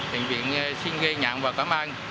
bệnh viện xin ghi nhận và cảm ơn